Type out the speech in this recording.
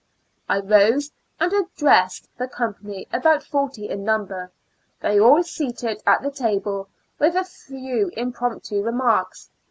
I rose and addressed the company, about forty in number, they all seated at the table, with a few impromptu remarks.